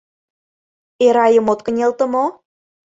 Эрайым от кынелте мо?